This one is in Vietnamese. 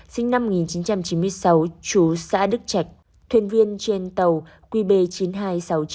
sinh năm một nghìn chín trăm chín mươi sáu chú xã đức trạch thuyền viên trên tàu qb chín mươi hai nghìn sáu trăm chín mươi chín ts bị chìm vào mùng hai tháng năm